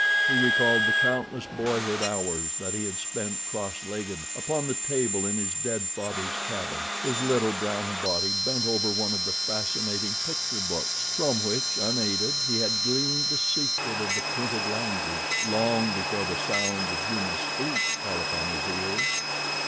He recalled the countless boyhood hours that he had spent cross legged upon the table in his dead father's cabin, his little brown body bent over one of the fascinating picture books from which, unaided, he had gleaned the secret of the printed language long before the sounds of human speech fell upon his ears.